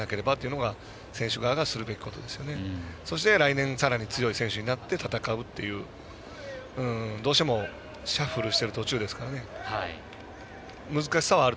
それが選手側のすることですしそして来年さらに強いチームになって戦うというどうしても今シャッフルしている途中ですからね。